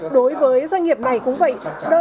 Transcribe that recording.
đối với doanh nghiệp này cũng vậy